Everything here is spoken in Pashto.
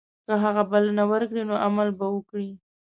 که هغه بلنه ورکړي نو عمل به وکړي.